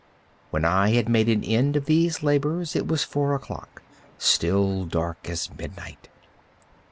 When I had made an end of these labors, it was four o'clock—still dark as midnight.